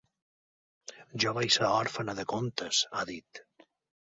Jo vaig ser òrfena de contes, ha dit.